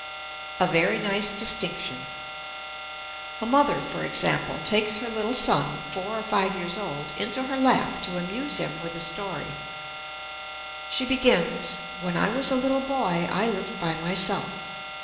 A very nice Distinction. A mother, for example, takes her little son, four or five years old, into her lap to amuse him with a story. She begins: "When I was a little boy I lived by myself.